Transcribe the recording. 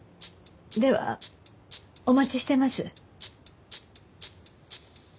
ではお待ちしてます。